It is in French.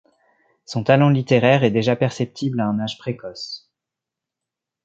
Son talent littéraire est déjà perceptible à un âge précoce.